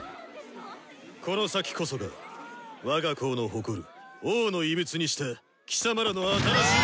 この先こそが我が校の誇る王の遺物にして貴様らの新しい。